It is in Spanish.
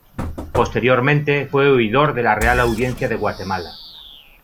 Posteriormente fue oidor de la Real Audiencia de Guatemala.